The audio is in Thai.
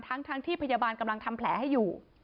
ทั้งที่พยาบาลกำลังทำแผลให้อยู่